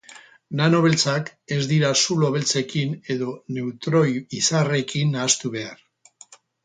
Nano beltzak ez dira zulo beltzekin edo neutroi-izarrekin nahastu behar.